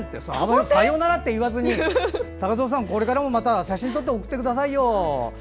いや、さよならと言わずに高相さん、これからもまた写真を撮って送ってくださいよ。